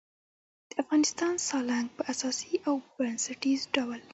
د افغانستان سالنګ په اساسي او بنسټیز ډول